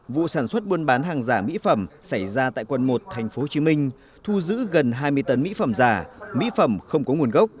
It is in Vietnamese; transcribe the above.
vụ sản xuất buôn bán hàng giả mỹ phẩm xảy ra tại quận một tp hcm thu giữ gần hai mươi tấn mỹ phẩm giả mỹ phẩm không có nguồn gốc